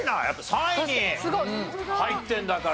３位に入ってるんだから。